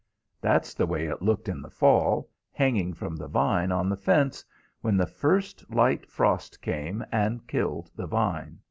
That's the way it looked in the fall, hanging from the vine on the fence, when the first light frost came and killed the vine.